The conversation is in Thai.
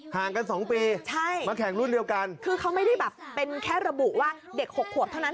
ห่างกันสองปีใช่มาแข่งรุ่นเดียวกันคือเขาไม่ได้แบบเป็นแค่ระบุว่าเด็กหกขวบเท่านั้น